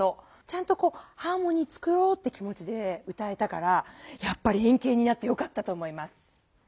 ちゃんとハーモニー作ろうという気持ちで歌えたからやっぱり円形になってよかったと思います。